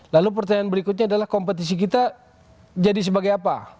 lalu pertanyaan berikutnya adalah kompetisi kita jadi sebagai apa